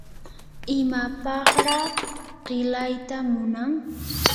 ¿imapaqraa qilayta munan?